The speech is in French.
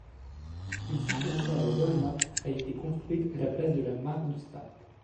Une succursale Wall-Mart a été construite à la place de la mare de Stark.